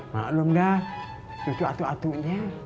maklum dah susu atu atunya